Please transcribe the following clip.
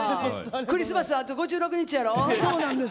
クリスマスまであと５６日やろ？